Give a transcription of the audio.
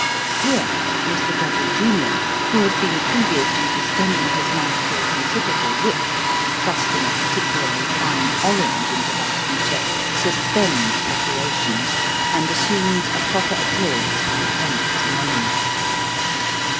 (Here Mr. Dobble, junior, who has been previously distending his mouth to a considerable width, by thrusting a particularly fine orange into that feature, sus pends operations, and assumes a proper appearance of intense melan choly.)